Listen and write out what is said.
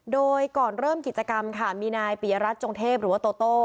โดยก่อนเริ่มกิจกรรมค่ะมีนายปียรัฐจงเทพหรือว่าโตโต้